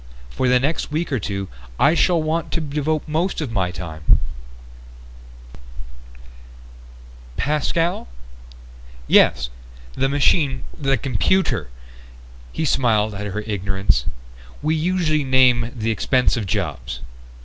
For the next week or two I shall want to devote most of my time ..." "Pascal?" "Yes. The machine the computer." He smiled at her ignorance. "We usually name the expensive jobs.